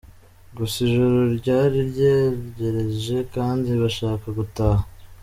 Gusa ijoro ryari ryegereje kandi bashaka gutaha.